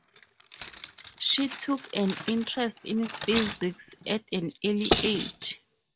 She took an interest in physics at an early age.